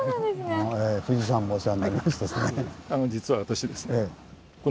富士山もお世話になりましたしね。